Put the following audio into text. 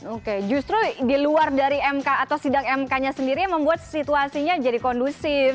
oke justru di luar dari mk atau sidang mk nya sendiri membuat situasinya jadi kondusif